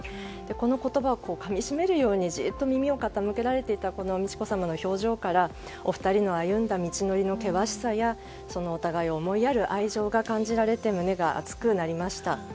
この言葉をかみしめるようにじっと耳を傾けられていた美智子さまの表情からお二人の歩んだ道のりの険しさやそのお互いを思いやる愛情が感じられて、胸が熱くなりました。